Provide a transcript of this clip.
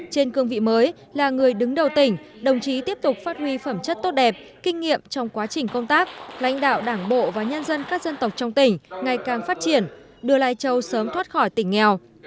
trên cương vị mới là người đứng đầu tỉnh đồng chí tiếp tục phát huy phẩm chất tốt đẹp kinh nghiệm trong quá trình công tác lãnh đạo đảng bộ và nhân dân các dân tộc trong tỉnh ngày càng phát triển đưa lai châu sớm thoát khỏi tỉnh nghèo